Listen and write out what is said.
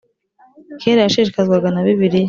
Kera yashishikazwaga na bibiliya